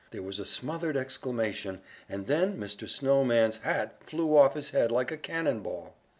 There was a smothered exclamation, and then Mr. Snowman's hat flew off his head like a cannon ball.